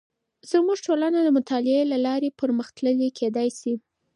زموږ ټولنه د مطالعې له لارې پرمختللې کیدې شي.